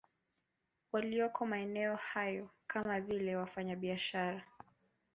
Walioko maeneo hayo kama vile wafanya biashara